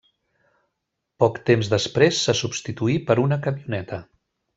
Poc temps després se substituí per una camioneta.